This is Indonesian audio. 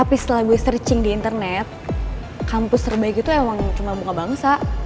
tapi setelah gue searching di internet kampus terbaik itu emang cuma bunga bangsa